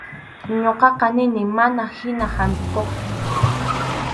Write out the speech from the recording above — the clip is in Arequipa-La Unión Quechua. Ñuqaqa nini manachu hina hampiqkuchu.